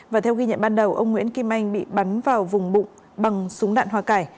và theo ghi nhận ban đầu ông nguyễn kim anh bị bắn vào vùng bụng bằng súng đạn hoa cải